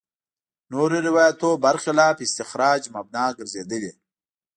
نورو روایتونو برخلاف استخراج مبنا ګرځېدلي.